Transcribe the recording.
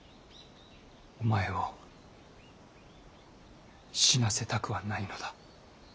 お前を死なせたくはないのだ。